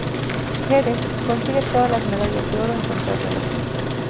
Jerez: Consigue todas las medallas de oro en contrarreloj.